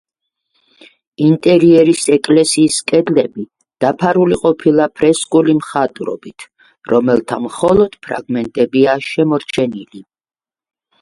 ინტერიერის ეკლესიის კედლები დაფარული ყოფილა ფრესკული მხატვრობით, რომელთა მხოლოდ ფრაგმენტებია შემორჩენილი.